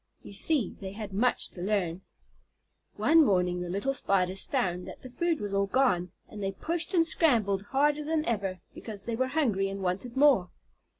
You see they had much to learn. One morning the little Spiders found that the food was all gone, and they pushed and scrambled harder than ever, because they were hungry and wanted more.